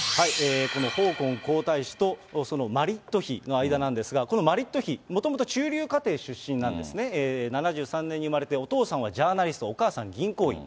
このホーコン皇太子と、そのマリット妃の間なんですが、このマリット妃、もともと中流家庭出身なんですね、７３年に生まれて、お父さんはジャーナリスト、お母さん、銀行員。